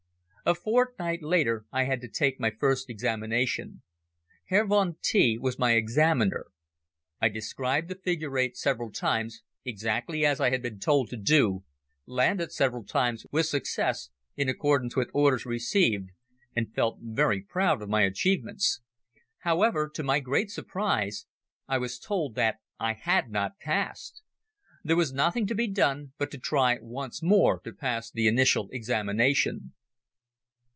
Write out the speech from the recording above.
A fortnight later I had to take my first examination. Herr von T was my examiner. I described the figure eight several times, exactly as I had been told to do, landed several times with success, in accordance with orders received and felt very proud of my achievements. However, to my great surprise I was told that I had not passed. There was nothing to be done but to try once more to pass the initial examination.